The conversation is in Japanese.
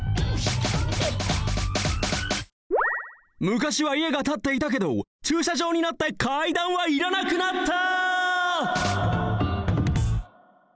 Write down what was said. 昔はいえがたっていたけどちゅうしゃじょうになって階段はいらなくなった！